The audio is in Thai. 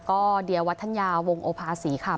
ก็เดียววัฒนยาวงโอภาษีค่ะ